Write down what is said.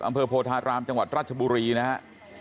อำเภอโพธารามจังหวัดรัชบุรีนะฮะ